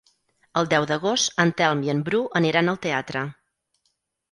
El deu d'agost en Telm i en Bru aniran al teatre.